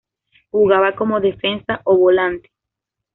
Jugaba como defensa o volante.